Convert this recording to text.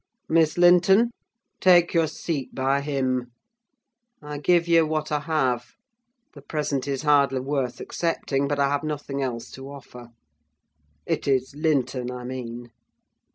Miss Linton, take your seat by him. I give you what I have: the present is hardly worth accepting; but I have nothing else to offer. It is Linton, I mean.